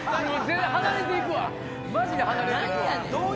離れていくわマジで離れていくわ。